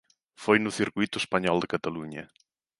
Foi no circuíto español de Cataluña.